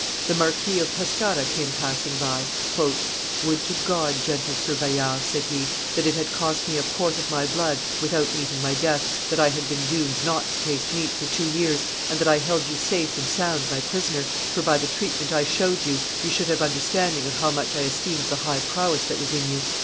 The Marquis of Pescara came passing by. "Would to God, gentle Sir Bayard," said he, "that it had cost me a quart of my blood, without meeting my death, that I had been doomed not to taste meat for two years, and that I held you safe and sound my prisoner, for by the treatment I showed you, you should have understanding of how much I esteemed the high prowess that was in you."